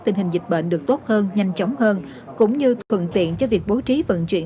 tình hình dịch bệnh được tốt hơn nhanh chóng hơn cũng như thuận tiện cho việc bố trí vận chuyển